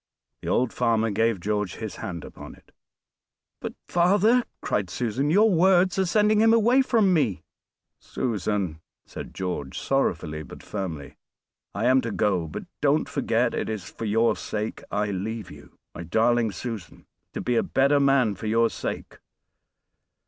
The old farmer gave George his hand upon it. "But, father," cried Susan, "your words are sending him away from me." "Susan!" said George sorrowfully but firmly, "I am to go, but don't forget it is for your sake I leave you, my darling Susan to be a better man for your sake.